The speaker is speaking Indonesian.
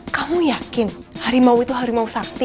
kamu yakin harimau itu harimau sakti